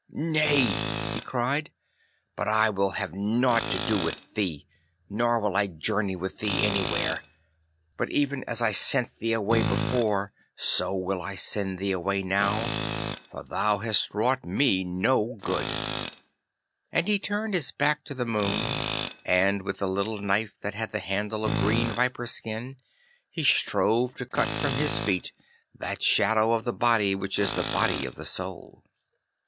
'Nay,' he cried, 'but I will have nought to do with thee, nor will I journey with thee anywhere, but even as I sent thee away before, so will I send thee away now, for thou hast wrought me no good.' And he turned his back to the moon, and with the little knife that had the handle of green viper's skin he strove to cut from his feet that shadow of the body which is the body of the Soul.